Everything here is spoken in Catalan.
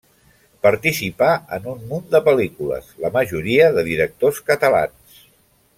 Participà en un munt de pel·lícules, la majoria de directors catalans.